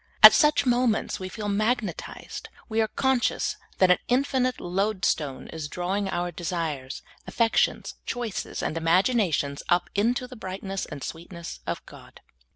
At such moments we feel magnetized ; we are con scious that an infinite load stone is drawing our desires, affections, choices, and imaginations up into the bright ness and sweetness of God.